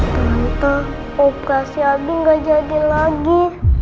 tante operasi abi gak jadi lagi